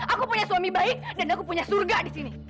aku punya suami baik dan aku punya surga di sini